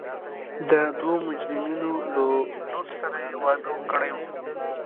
د دوو مجرمینو له لور سره یې واده کړی و.